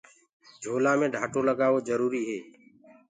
جھولآ مي ڍآٽو لگآوو جروُريٚ هي۔